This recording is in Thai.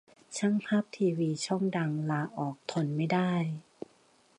ช่างภาพทีวีช่องดัง ลาออก ทนไม่ได้